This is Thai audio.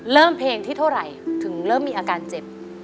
เพลงที่เท่าไหร่ถึงเริ่มมีอาการเจ็บ